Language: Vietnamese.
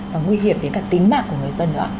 và nguy hiểm đến cả tính mạng của người dân nữa ạ